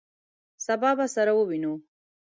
سبا به سره ووینو!